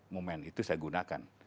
momen itu saya gunakan